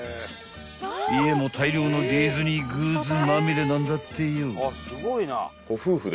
［家も大量のディズニーグッズまみれなんだってよ］